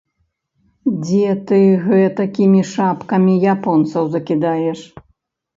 Дзе ты гэтакімі шапкамі японцаў закідаеш?!